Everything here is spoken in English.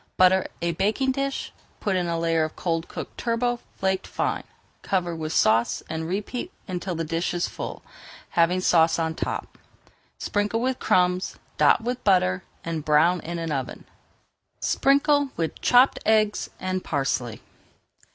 Butter a baking dish, put in a layer of cold cooked turbot flaked fine, cover with sauce, and repeat until the dish is full, having sauce on top. Sprinkle with crumbs, dot with butter, and brown in the oven. Sprinkle with chopped eggs and parsley.